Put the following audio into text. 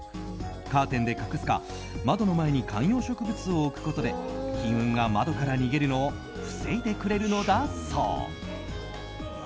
カーテンで隠すか窓の前に観葉植物を置くことで金運が窓から逃げるのを防いでくれるのだそう。